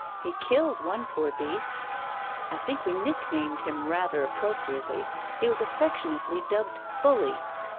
He killed one poor beast I think we nicknamed him rather appropriately. He was affectionately dubbed 'Bully.'"